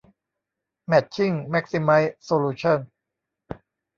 แม็ทชิ่ง แม็กซิไมซ์ โซลูชั่น